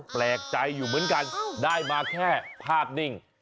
แปลกใจอยู่เหมือนกันได้มาแค่ภาพนิ่ง